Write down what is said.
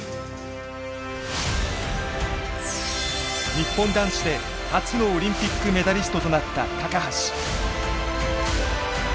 日本男子で初のオリンピックメダリストとなった橋。